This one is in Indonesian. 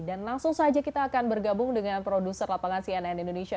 dan langsung saja kita akan bergabung dengan produser lapangan cnn indonesia